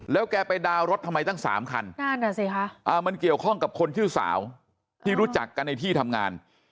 แล้วแกไปดาวน์รถทำไมตั้ง๓คันมันเกี่ยวข้องกับคนชื่อสาวที่รู้จักกันในที่ทำงาน